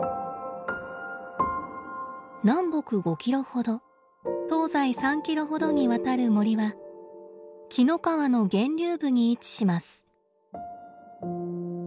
南北５キロほど東西３キロほどにわたる森は紀の川の源流部に位置します。